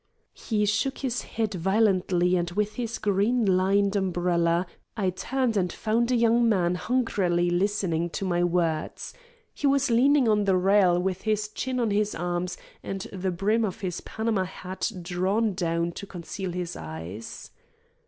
He shook his head violently and with his green lined umbrella pointed at my elbow. I turned and found a young man hungrily listening to my words. He was leaning on the rail with his chin on his arms and the brim of his Panama hat drawn down to conceal his eyes.